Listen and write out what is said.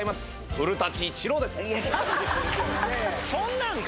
そんなんか？